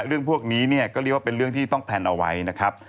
เรื่องพวกนี้เนี่ยก็เรียกว่าเป็นเรื่องที่ต้องแพลนเอาไว้นะครับ